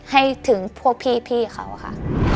ให้ถึงพวกพี่เขาค่ะ